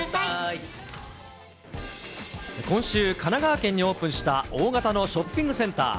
今週、神奈川県にオープンした大型のショッピングセンター。